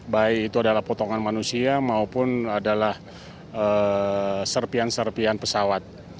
baik itu adalah potongan manusia maupun adalah serpian serpian pesawat